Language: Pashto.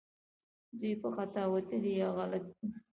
دوی په خطا وتلي یا غلط دي